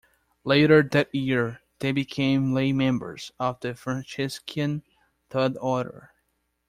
Later that year they became lay members of the Franciscan Third Order.